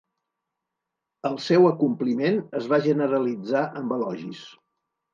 El seu acompliment es va generalitzar amb elogis.